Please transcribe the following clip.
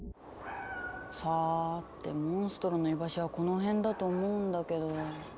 さてモンストロの居場所はこの辺だと思うんだけど。